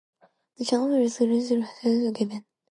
The channel with the highest expected yield is given.